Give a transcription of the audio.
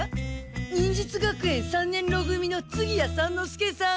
忍術学園三年ろ組の次屋三之助さん。